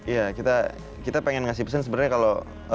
ya kita pengen ngasih pesan sebenarnya kalau